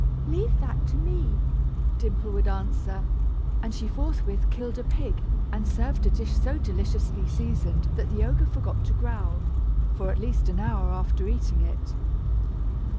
"Leave that to me," Dimple would answer; and she forthwith killed a pig, and served a dish so deliciously seasoned that the ogre forgot to growl, for at least an hour after eating it.